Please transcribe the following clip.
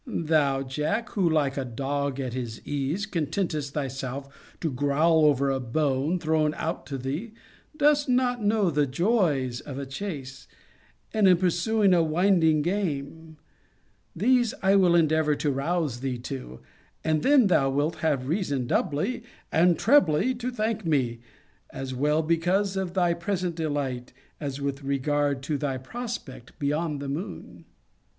Thou, Jack, who, like a dog at his ease, contentest thyself to growl over a bone thrown out to thee, dost not know the joys of a chace, and in pursuing a winding game: these I will endeavour to rouse thee to, and then thou wilt have reason doubly and trebly to thank me, as well because of thy present delight, as with regard to thy prospect beyond the moon.